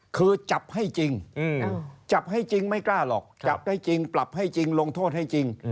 คือจับให้จริงจับให้จริงไม่กล้าหรอกจับได้จริงปรับให้จริงลงโทษให้จริง